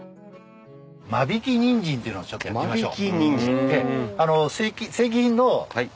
間引きニンジンっていうのをちょっとやってみましょう。